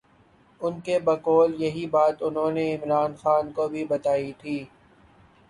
ان کے بقول یہی بات انہوں نے عمران خان کو بھی بتائی تھی۔